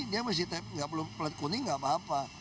dia masih pelat kuning nggak apa apa